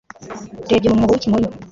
ndebye mu mwobo w'ikimonyo